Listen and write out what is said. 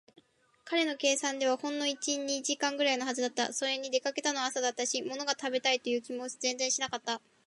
彼の計算ではほんの一、二時間ぐらいのはずだった。それに、出かけたのは朝だったし、ものが食べたいという気も全然しなかった。